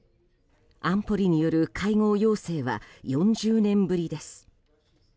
安保理による会合要請は４０年ぶりです。